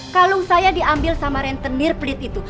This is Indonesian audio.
kalau saya diambil sama rentenir pelit itu